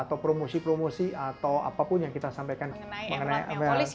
atau promosi promosi atau apapun yang kita sampaikan mengenai hal ini